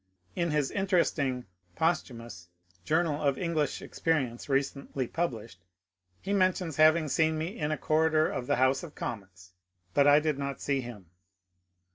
In his interesting (posthumous) journal of English experience recently published, he mentions having seen me in a corridor of the House of Commons, but I did not see him.